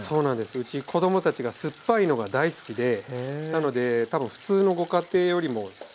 うち子どもたちが酸っぱいのが大好きでなので多分普通のご家庭よりも酢が多めだと思います。